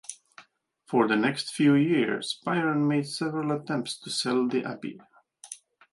For the next few years, Byron made several attempts to sell the Abbey.